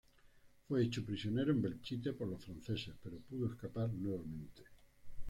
Fue hecho prisionero en Belchite por los franceses, pero pudo escapar nuevamente.